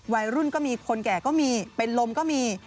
วัยรุ่นก็มีคนแก่ก็มีเป็นลมก็มี